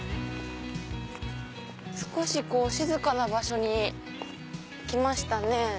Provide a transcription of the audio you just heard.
少し静かな場所に来ましたね。